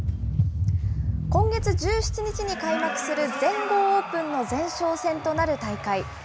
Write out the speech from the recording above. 今月１７日に開幕する全豪オープンの前哨戦となる大会。